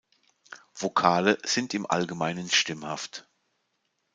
Vokale sind im Allgemeinen stimmhaft.